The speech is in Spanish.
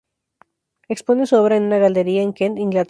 Expone su obra en una galería en Kent, Inglaterra.